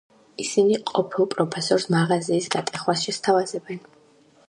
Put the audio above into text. ისინი ყოფილ პროფესორს მაღაზიის გატეხვას შესთავაზებენ.